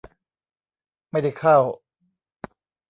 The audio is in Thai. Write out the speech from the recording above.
ไม่ได้เข้า